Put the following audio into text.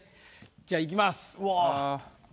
じゃあいきます。